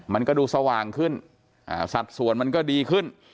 มันก็ดูสว่างขึ้นสัดส่วนมันก็ดีขึ้น